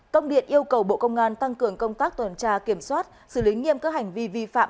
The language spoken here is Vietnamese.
công điện yêu cầu bộ công an tăng cường công tác tuần tra kiểm soát xử lý nghiêm các hành vi vi phạm